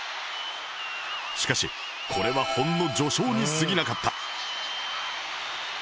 しかしこれはほんの序章にすぎなかった